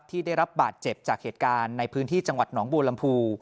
ที่ได้รับบาดเจ็บจากเหตุการณ์ในพื้นที่จังหวัดหนองบัวลำพู